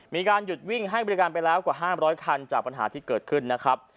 มีการหยุดวิ่งให้บริการไปแล้วกว่า๕๐๐คันจากปัญหาที่เกิดขึ้นนะครับ